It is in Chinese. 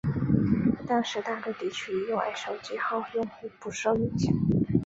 但是大陆地区以外手机号用户不受影响。